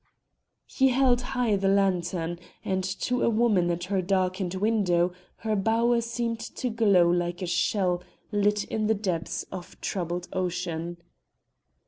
He held high the lantern, and to a woman at her darkened window her bower seemed to glow like a shell lit in the depths of troubled ocean.